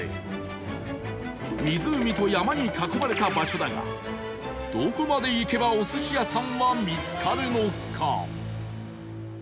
湖と山に囲まれた場所だがどこまで行けばお寿司屋さんは見つかるのか？